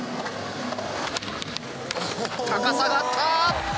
高さがあった！